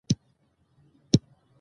په سبا يې کريم جريب ګر ځمکې ته راوستو.